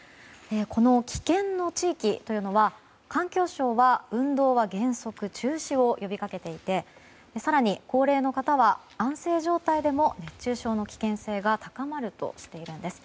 この危険の地域というのは環境省は運動は原則中止を呼びかけていて更に、高齢の方は安静状態でも熱中症の危険性が高まるとしているんです。